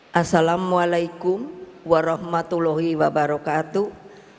hai assalamualaikum warahmatullahi wabarakatuh